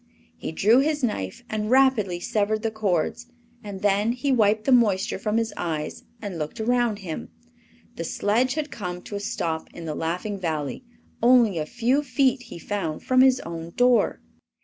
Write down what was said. He drew his knife and rapidly severed the cords, and then he wiped the moisture from his eyes and looked around him. The sledge had come to a stop in the Laughing Valley, only a few feet, he found, from his own door.